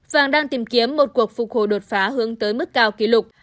vàng đang tìm kiếm một cuộc phục hồi đột phá hướng tới mức cao kỷ lục